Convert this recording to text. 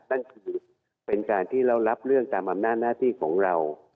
นั่นคือเป็นการที่แล้วรับเรื่องแบบฝ่ำหน้าน่าติของเรา